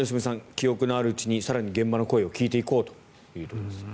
記憶のあるうちに更に現場の声を聞いていこうというところですね。